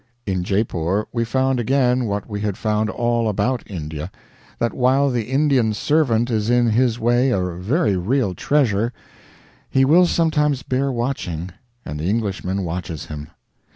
In Jeypore we found again what we had found all about India that while the Indian servant is in his way a very real treasure, he will sometimes bear watching, and the Englishman watches him.